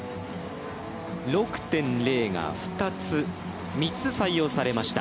６．０が３つ採用されました。